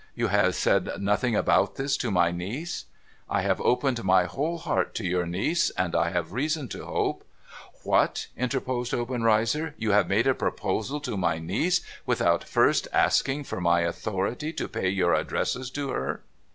You have said nothing about this to my niece ?'' I have opened my whole heart to your niece. And I have reason to hope '' What !' interposed Obenreizer. ' You have made a proposal to my niece, without first asking for my authority to pay your addresses to her